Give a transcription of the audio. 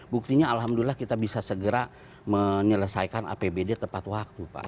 buktinya alhamdulillah kita bisa segera menyelesaikan apbd tepat waktu pak